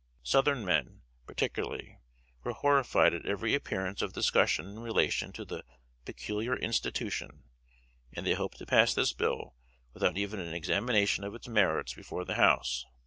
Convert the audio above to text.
Southern men, particularly, were horrified at every appearance of discussion in relation to the "pecculiar institution;" and they hoped to pass this bill without even an examination of its merits before the House.